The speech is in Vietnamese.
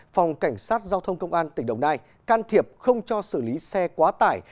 phòng cảnh sát giao thông công an tỉnh đồng nai can thiệp không cho xử lý xe quá tải